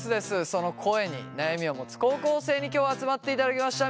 その声に悩みを持つ高校生に今日は集まっていただきました。